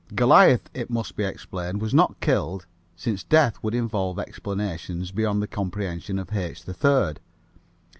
Goliath, it must be explained, was not killed, since death would involve explanations beyond the comprehension of H. 3rd.